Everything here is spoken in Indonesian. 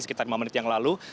sekitar lima menit yang lalu